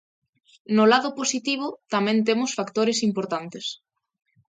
No lado positivo, tamén temos factores importantes.